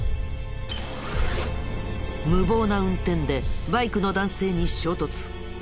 無謀な運転でバイクの男性に衝突。